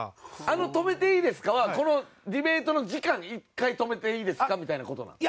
あの「止めていいですか？」はこのディベートの時間１回止めていいですかみたいな事なの？